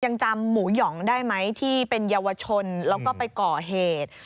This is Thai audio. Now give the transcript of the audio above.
ยังจำหมูหย่องได้ไหมที่เป็นเยาวชนแล้วก็ไปก่อเหตุ